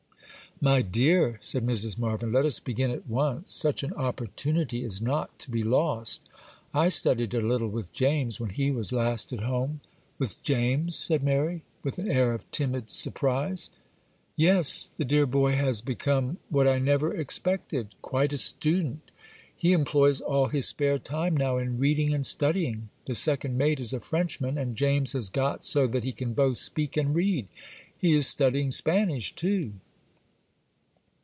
'My dear,' said Mrs. Marvyn, 'let us begin at once;—such an opportunity is not to be lost. I studied a little with James, when he was last at home.' 'With James?' said Mary, with an air of timid surprise. 'Yes,—the dear boy has become, what I never expected, quite a student. He employs all his spare time now in reading and studying;—the second mate is a Frenchman, and James has got so that he can both speak and read. He is studying Spanish, too.